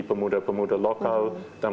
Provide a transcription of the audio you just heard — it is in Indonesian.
pemuda pemuda lokal dan